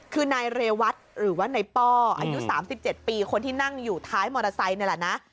คือนายเรวัตหรือว่านายป้ออายุ๓๗ปีคนที่นั่งอยู่ท้ายมอเตอร์ไซค์นี่แหละนะ